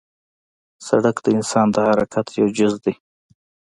سړک د انسان د حرکت یو جز دی.